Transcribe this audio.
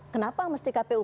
kenapa mesti kpu